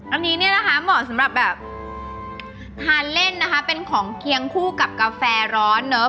อันนี้เนี่ยนะคะเหมาะสำหรับแบบทานเล่นนะคะเป็นของเคียงคู่กับกาแฟร้อนเนอะ